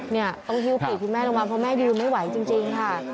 เนี่ยต้องฮิวผิดที่แม่ระวังเพราะแม่ยืนไม่ไหวจริงค่ะ